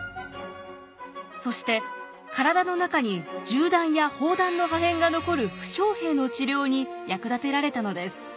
そして体の中に銃弾や砲弾の破片が残る負傷兵の治療に役立てられたのです。